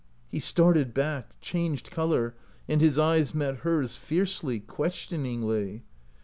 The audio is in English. He started back, changed color, and his eyes met hers fiercely, questioningly.